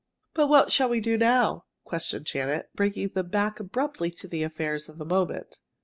"But what shall we do now?" questioned Janet, bringing them back abruptly to the affairs of the moment.